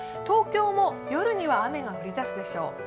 東京も夜には雨が降り出すでしょう。